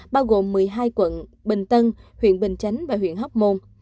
bao gồm một mươi hai quận bình tân huyện bình chánh và huyện hóc môn